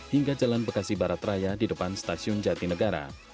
hingga jalan bekasi barat raya di depan stasiun jatinegara